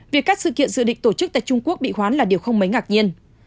việc các sự kiện dự định tổ chức tại trung quốc bị hoán là điều không mấy ngạc nhiên